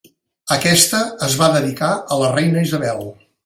Aquesta es va dedicar a la Reina Isabel.